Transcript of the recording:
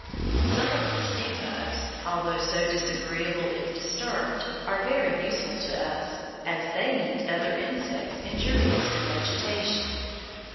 Some of the stink bugs, although so disagreeable if disturbed, are very useful to us, as they eat other insects injurious to vegetation.